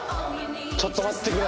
ちょっと待ってくれ！